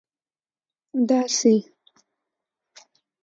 داسي